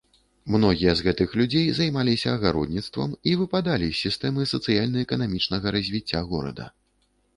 Многія з гэтых людзей займаліся агародніцтвам і выпадалі з сістэмы сацыяльна-эканамічнага развіцця горада.